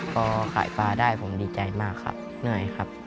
พอขายปลาได้ผมดีใจมากครับเหนื่อยครับ